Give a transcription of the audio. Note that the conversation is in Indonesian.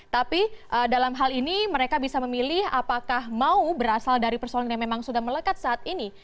tapi dalam hal ini mereka bisa memilih apakah mau berasal dari persoalan yang memang sudah melekat saat ini